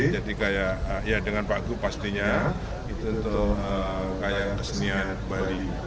jadi kayak ya dengan pak gu pastinya itu untuk kayak kesenian bali